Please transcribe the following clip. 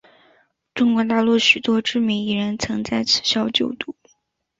中国大陆许多知名艺人曾在此校就读。